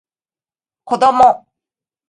子供